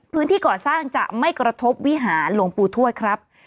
พื้นที่ก่อสร้างจะไม่กระทบวิหารหลวงปู่ถ้วยครับ